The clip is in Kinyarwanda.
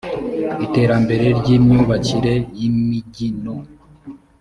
iterambere ry imyubakire y imijyi no